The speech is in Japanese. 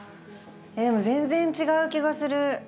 えっでも全然違う気がする。